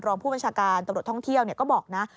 รองผู้บัญชาการตำรวจท่องเที่ยวก็บอกนะ